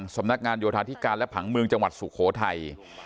สำนักงานโยธาธิการและผังเมืองจังหวัดสุโขทัย